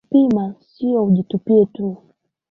"Kwa kupima, sio ujitupie tu"